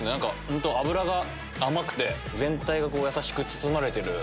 本当脂が甘くて全体がやさしく包まれてる。